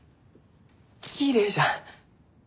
きれいじゃ。